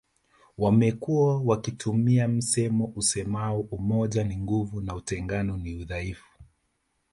Wamekuwa wakitumia msemo usemao umoja ni nguvu na utengano ni udhaifu